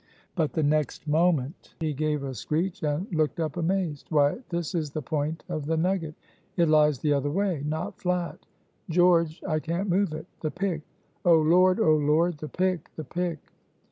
But the next moment he gave a screech and looked up amazed. "Why, this is the point of the nugget; it lies the other way, not flat. George! I can't move it! The pick! Oh, Lord! oh, Lord! The pick! the pick!"